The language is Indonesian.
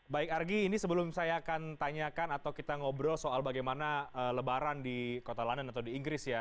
baik argy ini sebelum saya akan tanyakan atau kita ngobrol soal bagaimana lebaran di kota london atau di inggris ya